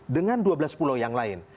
dengan dua belas pulau yang lain